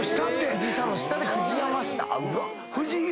「富士山の下」で富士山下。